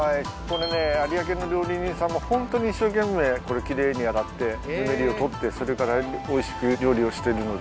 有明の料理人さんもホントに一生懸命これ奇麗に洗ってヌメリを取ってそれからおいしく料理をしてるので。